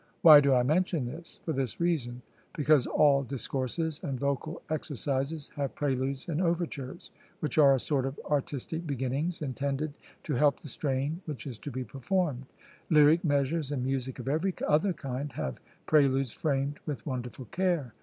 Why do I mention this? For this reason: Because all discourses and vocal exercises have preludes and overtures, which are a sort of artistic beginnings intended to help the strain which is to be performed; lyric measures and music of every other kind have preludes framed with wonderful care.